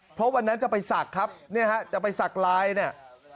เพราะวันนั้นจะไปสักนะครับจะไปสักร้ายเนี่ย